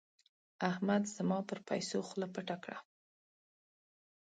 احمد زما پر پيسو خوله پټه کړه.